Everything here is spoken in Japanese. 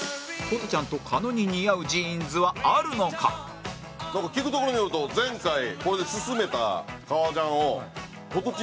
ホトちゃんと狩野に似合うジーンズはあるのか？なんか聞くところによると前回これで薦めた革ジャンを。